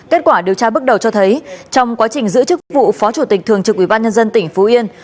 kết quả điều tra bước đầu cho thấy trong quá trình giữ chức vụ phó chủ tịch thường trực ủy ban nhân dân tỉnh phú yên